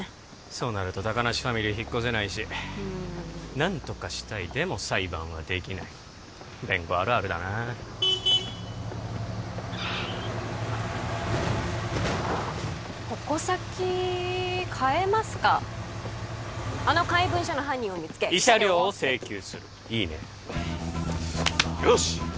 そうなると高梨ファミリー引っ越せないしうん何とかしたいでも裁判はできない弁護あるあるだな矛先変えますかあの怪文書の犯人を見つけ慰謝料を請求するいいねよし！